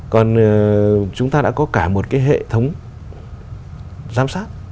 còn chúng ta đã có cả một cái hệ thống giám sát